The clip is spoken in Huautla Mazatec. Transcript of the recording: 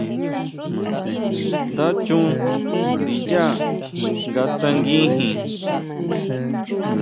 Nda chon ndinyá nga tsanguijin.